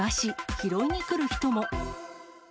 拾いに来る人も。